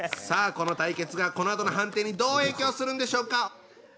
この対決がこのあとの判定にどう影響するんでしょうか。